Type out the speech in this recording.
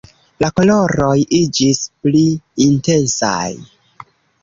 La koloroj iĝis pli intensaj.